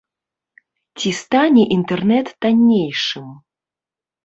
Ці стане інтэрнэт таннейшым?